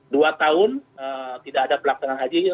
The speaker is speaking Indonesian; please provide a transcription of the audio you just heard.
dua tahun tidak ada pelaksanaan haji